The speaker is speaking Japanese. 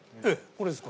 これです。